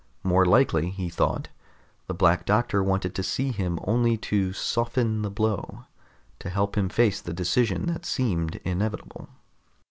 More likely, he thought, the Black Doctor wanted to see him only to soften the blow, to help him face the decision that seemed inevitable.